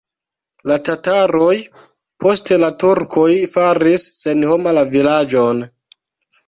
La tataroj, poste la turkoj faris senhoma la vilaĝon.